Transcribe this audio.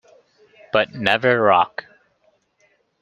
But never rock.